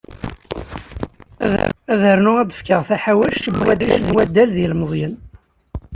Ad d-rnuɣ ad d-fkeɣ taḥawact n uḥric n waddal d yilmeẓyen.